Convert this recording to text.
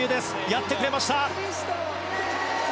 やってくれました！